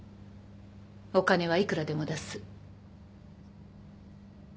お金はいくらでも出す。